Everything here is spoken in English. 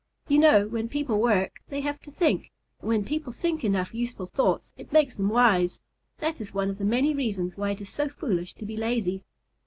You know, when people work, they have to think, and when people think enough useful thoughts it makes them wise. That is one of the many reasons why it is so foolish to be lazy.